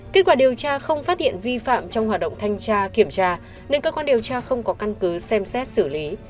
kết quả điều tra không phát hiện vi phạm trong hoạt động thanh tra kiểm tra nên cơ quan điều tra không có căn cứ xem xét xử lý